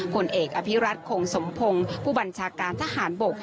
ผลเอกอภิรัตคงสมพงศ์ผู้บัญชาการทหารบก